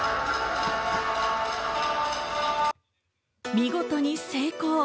見事に成功。